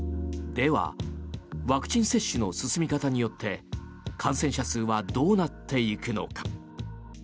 ではワクチン接種の進み方によって感染者数はどうなっていくのか。